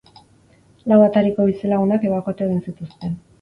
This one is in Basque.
Lau atariko bizilagunak ebakuatu egin zituzten.